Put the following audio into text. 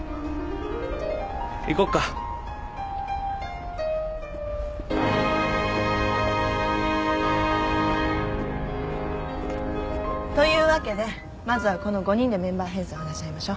行こっか。というわけでまずはこの五人でメンバー編成を話し合いましょ。